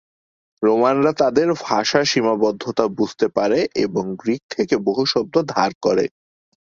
রোমানরা তাদের ভাষার সীমাবদ্ধতা বুঝতে পারে এবং গ্রিক থেকে বহু শব্দ ধার করে।